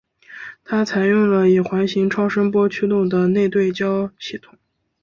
它采用了以环形超声波驱动的内对焦系统。